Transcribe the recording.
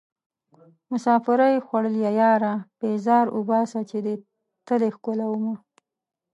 مسافرۍ خوړليه ياره پيزار اوباسه چې دې تلې ښکلومه